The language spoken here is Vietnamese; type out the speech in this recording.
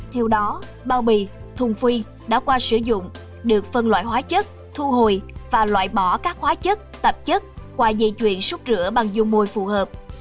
theo đó bao bì thùng phi đã qua sử dụng được phân loại hóa chất thu hồi và loại bỏ các hóa chất tạp chất qua dây chuyền xúc rửa bằng dung môi phù hợp